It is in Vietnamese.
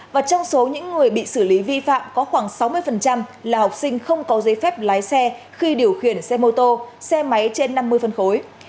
và trong số những người bị xử lý vi phạm có khoảng sáu mươi là học sinh không có giấy phép lái xe khi điều khiển xe mô tô xe máy trên năm mươi phân khối